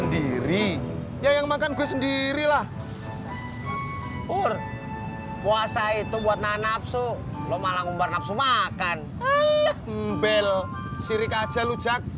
dirilah ur puasa itu buat nafsu lo malah ngumbar nafsu makan bel sirik aja lu jack